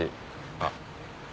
あっ。